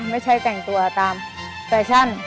ไม่ใช่แต่งตัวตามแฟชั่น